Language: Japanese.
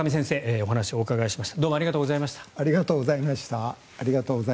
お話をお伺いしました。